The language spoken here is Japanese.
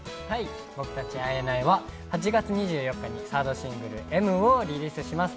僕たちＩＮＩは８月２４日にサードシングル「Ｍ」をリリースします。